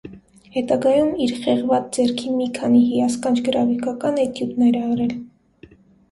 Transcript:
Հետագայում իր խեղված ձեռքի մի քանի հիասքանչ գրաֆիկական էտյուդներ է արել։